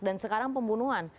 dan sekarang pembunuhan